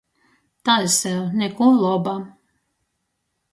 Tai sev, nikuo loba.